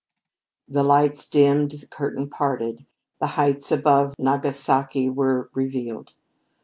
The lights dimmed; the curtain parted; the heights above Nagasaki were revealed.